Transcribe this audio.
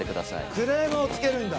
クレームをつけるんだ。